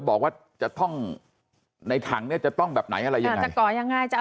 บอกว่าจะต้องในถังเนี่ยจะต้องแบบไหนอะไรยังไงจะก่อยังไงจะเอา